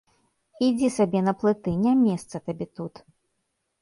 Ідзі сабе на плыты, не месца табе тут.